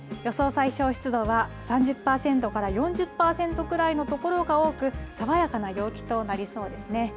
最小湿度は３０％から４０％くらいの所が多く、爽やかな陽気となりそうですね。